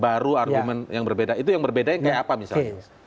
baru argumen yang berbeda itu yang berbeda yang kayak apa misalnya